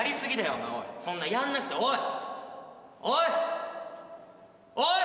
お前おいそんなやんなくておいおいおい！